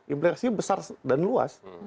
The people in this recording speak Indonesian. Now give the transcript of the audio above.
implikasi besar dan luas